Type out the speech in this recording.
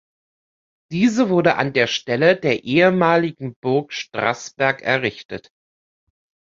Diese wurde an der Stelle der ehemaligen Burg Straßberg errichtet.